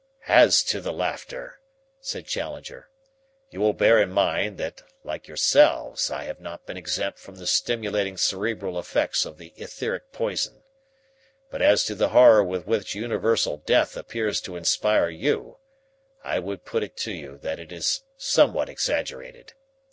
"As to the laughter," said Challenger, "you will bear in mind that, like yourselves, I have not been exempt from the stimulating cerebral effects of the etheric poison. But as to the horror with which universal death appears to inspire you, I would put it to you that it is somewhat exaggerated.